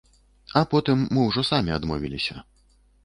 А потым мы ўжо самі адмовіліся.